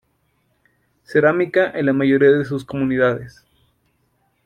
Cerámica en la mayoría de sus comunidades.